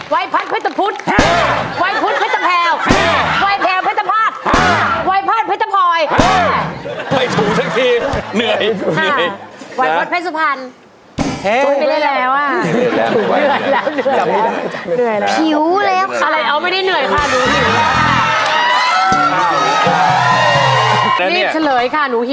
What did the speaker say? ไวพาหงษเพื่อจะพอย